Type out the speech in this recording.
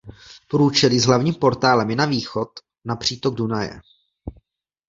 Průčelí s hlavním portálem je na východ na přítok Dunaje.